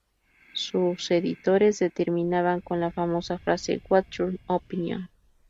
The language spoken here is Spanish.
Sus editoriales terminaban con la famosa frase: ""What's your opinion?